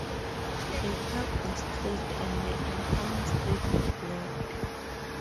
The park was closed and the incoming streets were blocked.